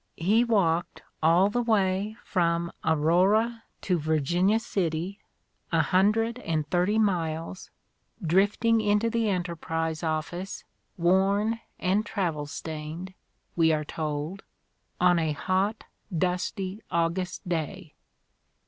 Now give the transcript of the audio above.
He walked all the way from Aurora to Virginia City, a hundred and thirty miles, drifting into the Enterprise office worn and travel stained, we are told, on a hot, dusty August day.